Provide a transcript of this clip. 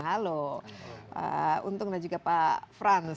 halo untung dan juga pak frans